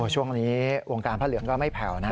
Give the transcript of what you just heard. ช่วงนี้วงการพระเหลืองก็ไม่แผ่วนะ